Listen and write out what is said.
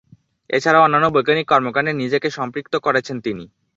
এছাড়াও অন্যান্য বৈজ্ঞানিক কর্মকাণ্ডে নিজেকে সম্পৃক্ত করেছেন তিনি।